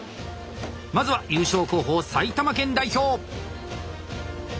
まずは優勝候補埼玉県代表。